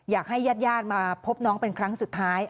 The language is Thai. อยากให้ญาติมาพบน้องเป็นครั้งสุดท้าย